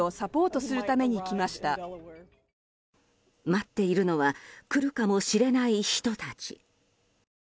待っているのは来るかもしれない人たち。